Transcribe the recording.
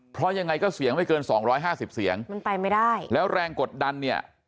เพราะยังไงก็เสี่ยงไม่เกิน๒๕๐เสียงไปไม่ได้แล้วแรงกดดันเนี่ย